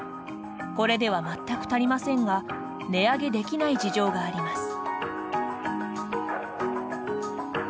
これでは全く足りませんが値上げできない事情があります。